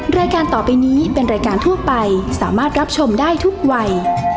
รายการต่อไปนี้เป็นรายการทั่วไปสามารถรับชมได้ทุกวัย